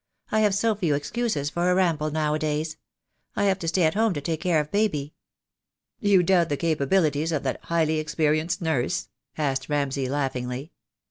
"I have so few excuses for a ramble nowadays. I have to stay at home to take care of baby." "Do you doubt the capabilities of that highly ex perienced nurse?" asked Ramsay laughingly.